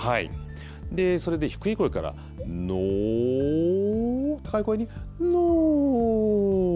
それで低い声からのー高い声にのー。